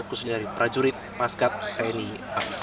khususnya dari prajurit maskad tni au